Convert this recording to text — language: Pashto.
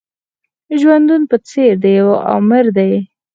ژوندون په څېر د يوه آمر دی.